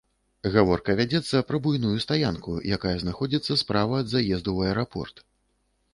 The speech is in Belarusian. Гаворка вядзецца пра буйную стаянку, якая знаходзіцца справа ад заезду ў аэрапорт.